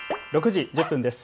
６時１０分です。